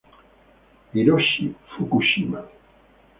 Hiroshi Fukushima